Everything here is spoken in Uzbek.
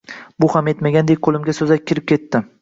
Bu ham yetmagandek, qo‘limga so‘zak kirib ketdi.